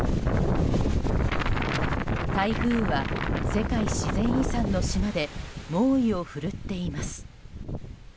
台風は世界自然遺産の島で猛威を振るっています。